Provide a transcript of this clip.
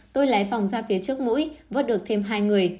tôi lấy phòng ra phía trước mũi vớt được thêm hai người